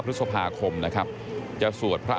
พบหน้าลูกแบบเป็นร่างไร้วิญญาณ